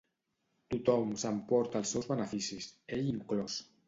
Tothom s'emporta els seus beneficis, ell inclòs.